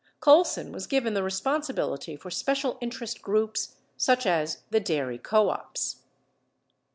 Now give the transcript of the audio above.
Colson was given the responsibility for special interest groups, such as the dairy co ops.